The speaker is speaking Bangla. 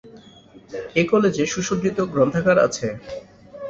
এ কলেজে সুসজ্জিত গ্রন্থাগার আছে।